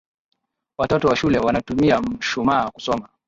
Watoto wa shule wanatumia mshumaa kusoma.